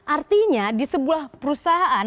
artinya di sebuah perusahaan